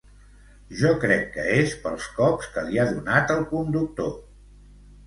Jo crec que és pels cops que li ha donat el conductor